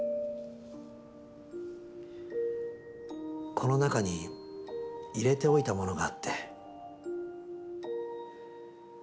この中に入れておいたものがあって。